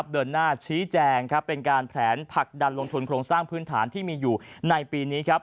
เดินหน้าชี้แจงเป็นการแผนผลักดันลงทุนโครงสร้างพื้นฐานที่มีอยู่ในปีนี้